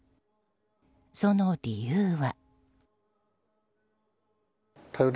その理由は。